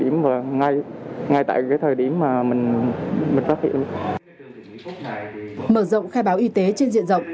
mở rộng khai báo y tế trên diện rộng